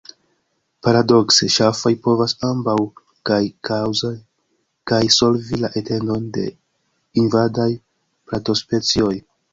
Paradokse, ŝafoj povas ambaŭ kaj kaŭzi kaj solvi la etendon de invadaj plantospecioj.